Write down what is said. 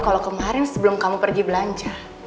kalau kemarin sebelum kamu pergi belanja